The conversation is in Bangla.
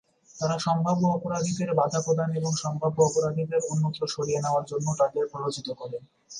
তারা সম্ভাব্য অপরাধীদের বাধা প্রদান এবং সম্ভাব্য অপরাধীদের অন্যত্র সরিয়ে নেওয়ার জন্য তাদের প্ররোচিত করে।